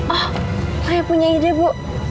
oh saya punya ide bu